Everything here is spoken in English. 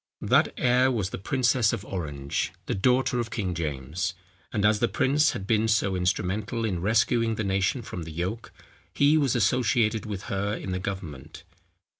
That heir was the princess of Orange, the daughter of King James; and as the prince had been so instrumental in rescuing the nation from the yoke, he was associated with her in the government.